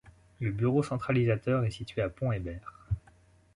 Le bureau centralisateur est situé à Pont-Hébert.